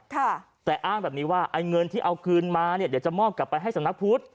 แต่อ้างแบบนี้ว่าไอ้เงินที่เอาคืนมาเนี่ยเดี๋ยวจะมอบกลับไปให้สำนักพุทธ